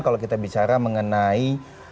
kalau kita bicara mengenai